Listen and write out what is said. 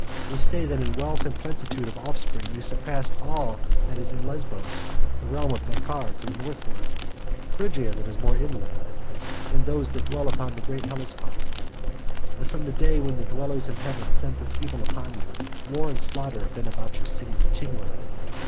They say that in wealth and plenitude of offspring you surpassed all that is in Lesbos, the realm of Makar to the northward, Phrygia that is more inland, and those that dwell upon the great Hellespont; but from the day when the dwellers in heaven sent this evil upon you, war and slaughter have been about your city continually.